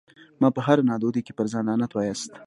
مه په هره نادودي کي پر ځان لعنت واياست